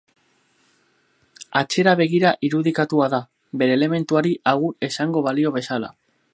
Atzera begira irudikatua da, bere elementuari agur esango balio bezala.